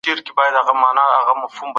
بهرنۍ تګلاره بې له اعتماد څخه نه بریالۍ کيږي.